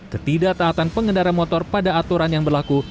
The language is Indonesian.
ketidaktaatan pengendara motor pada aturan yang berlaku